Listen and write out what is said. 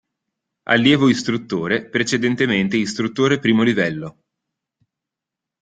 Allievo istruttore, precedentemente Istruttore I° livello.